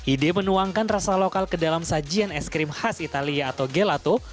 ide menuangkan rasa lokal ke dalam sajian es krim khas italia atau gelato